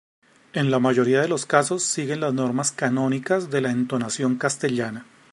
En la mayoría de los casos siguen las normas canónicas de la entonación castellana.